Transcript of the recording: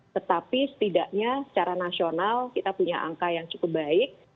tetapi setidaknya secara nasional kita punya angka yang cukup baik